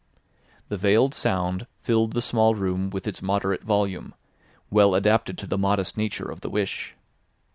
The veiled sound filled the small room with its moderate volume, well adapted to the modest nature of the wish.